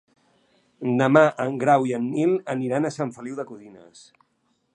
Demà en Grau i en Nil aniran a Sant Feliu de Codines.